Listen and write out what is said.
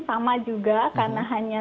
sama juga karena hanya